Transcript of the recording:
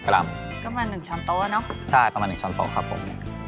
ประมาณ๑ช้อนโต๊ะเนอะใช่ประมาณ๑ช้อนโต๊ะครับผม